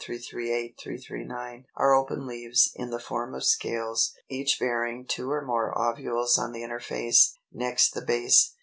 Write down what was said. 338, 339) are open leaves, in the form of scales, each bearing two or more ovules on the inner face, next the base.